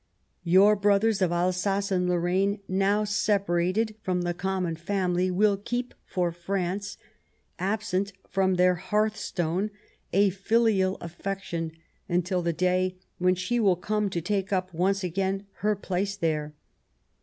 ... Your brothers of Alsace and Lorraine, now separated from the com mon family, will keep for France, absent from their hearthstone, a filial affection until the day when she will come to take up once again her place there."